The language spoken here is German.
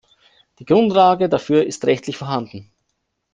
Die Grundlage dafür ist rechtlich vorhanden.